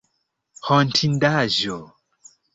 Hontindaĵo?